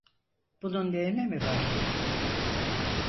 Bunun ne önemi var ki?